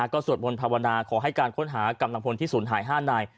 ก็สวดมนต์ภาวนาขอให้การค้นหากำลังพลที่ศูนย์หาย๕นาย